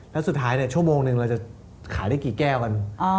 แล้วสุดท้ายชั่วโมงหนึ่งเราจะขายได้กี่แก้วกัน